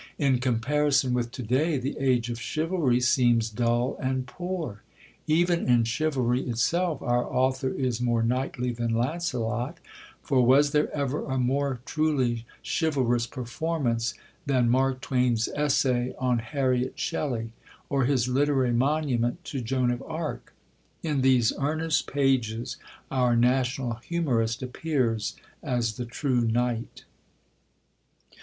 In comparison with to day, the age of chivalry seems dull and poor. Even in chivalry itself our author is more knightly than Lancelot; for was there ever a more truly chivalrous performance than Mark Twain's essay on Harriet Shelley, or his literary monument to Joan of Arc? In these earnest pages, our national humorist appears as the true knight.